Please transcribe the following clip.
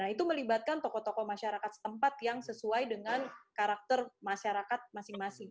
itu melibatkan tokoh tokoh masyarakat setempat yang sesuai dengan karakter masyarakat masing masing